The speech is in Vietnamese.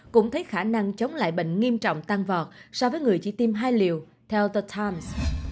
cũng thấy khả năng chống lại bệnh nghiêm trọng tăng vọt so với người chỉ tiêm hai liều theo the times